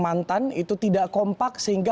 mantan itu tidak kompak sehingga